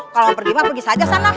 kalau pergi mah pergi saja sana